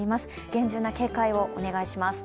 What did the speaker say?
厳重な警戒をお願いします。